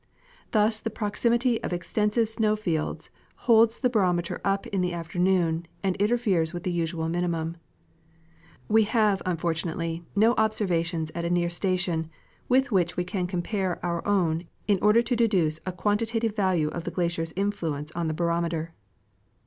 Thus the proximity of extensive snow fields holds the barometer up in the afternoon and interferes with the usual minimum. We have, unfortunately, no observations at a near station with which we can compare our own in order to deduce a quanti tative value of the glacier's influence on the barometer.